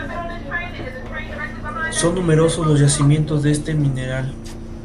Posteriormente estudió ingeniería civil en la Universidad de Calgary.